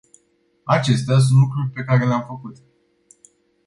Acestea sunt lucrurile pe care le-am făcut.